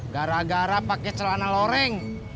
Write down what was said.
gara gara pakai celana loreng